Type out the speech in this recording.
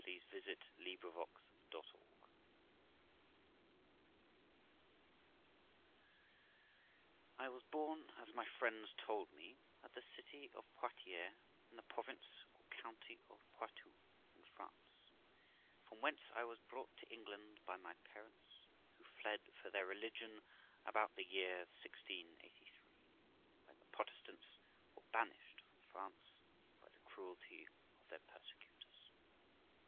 A HISTORY OF THE LIFE OF ROXANA f WAS born, as my friends told me, at the city of Poitiers, in the province * or county of Poitou in France, from whence I was brought to England by my parents, who fled for their religion about the year 1683, when the Protestants were banished from France by the cruelty of their persecutors.